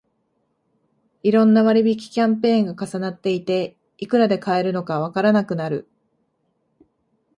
いろんな割引キャンペーンが重なっていて、いくらで買えるのかわからなくなる